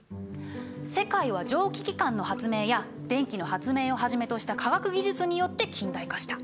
世界は蒸気機関の発明や電気の発明をはじめとした科学技術によって近代化した。